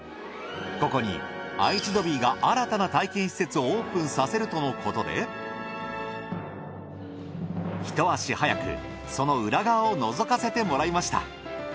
ここに愛知ドビーが新たな体験施設をオープンさせるとのことでひと足早くその裏側をのぞかせてもらいました。